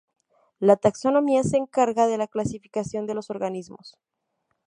La taxonomía se encarga de la clasificación de los organismos.